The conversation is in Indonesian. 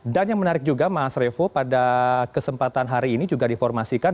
dan yang menarik juga mas revo pada kesempatan hari ini juga diformasikan